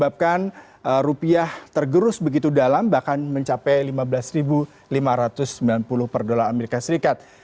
begitu dalam bahkan mencapai lima belas lima ratus sembilan puluh per dolar amerika serikat